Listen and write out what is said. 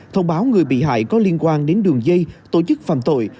thông báo người bị hại có liên quan đến đường dây tổ chức phạm tội